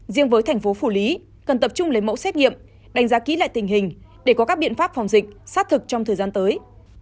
riêng với thành phố phủ lý cần tập trung lấy mẫu xét nghiệm đánh giá kỹ lại tình hình để có các biện pháp phòng dịch sát thực trong thời gian tới